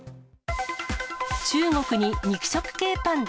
中国に肉食系パンダ。